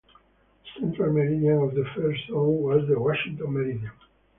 The central meridian of the first zone was the Washington meridian.